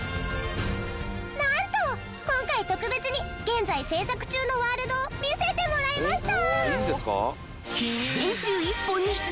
なんと今回特別に現在制作中のワールドを見せてもらいました。